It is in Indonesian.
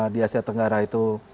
di asia tenggara itu